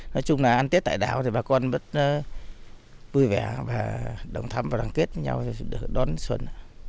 nói chung là ăn tết tại đảo thì bà con rất vui vẻ và đồng thăm và đoàn kết nhau được đón xuân